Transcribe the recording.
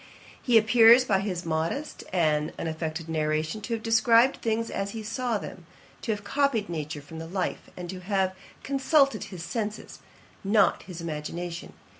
'He appears, by his modest and unaffected narration, to have described things as he saw them, to have copied nature from the life, and to have consulted his senses, not his imagination.